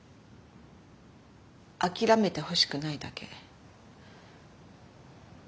諦めてほしくないだけ。